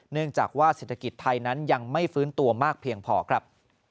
เนื่องจากว่าเศรษฐกิจไทยนั้นยังไม่ฟื้นตัวมากเพียงพอครับ